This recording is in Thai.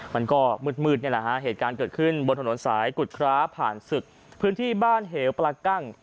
มันก็มืดนี่แหละฮะเหตุการณ์เกิดขึ้นบนถนนสายกุฎคร้าผ่านศึกพื้นที่บ้านเหวปลากั้ง